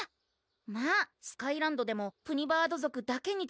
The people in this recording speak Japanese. まぁスカイランドでもプニバード族だけにつたわる